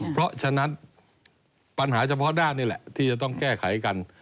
เพราะฉะนั้นปัญหาเฉพาะด้านนี่แหละที่จะต้องแก้ไขกัน